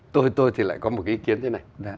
tôi thì lại có một cái ý kiến thế này